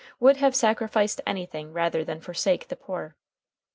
would have sacrificed anything rather than forsake the poor.